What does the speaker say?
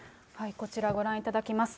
こちら、ご覧いただきます。